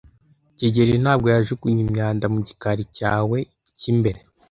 kigeli ntabwo yajugunye imyanda mu gikari cyawe cy'imbere.